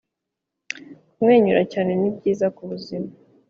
kumwenyura cyane ni byiza ku buzima